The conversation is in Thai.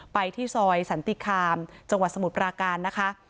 ไปที่ซอยสันติคามจังหวัดสมุทรปราการนะคะ